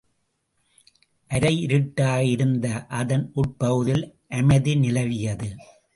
அரை யிருட்டாக இருந்த அதன் உட்பகுதியில் அமைதி நிலவியது.